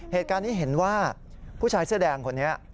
เหตุการณ์นี้เห็นว่าผู้ชายเสื้อแดงคนนี้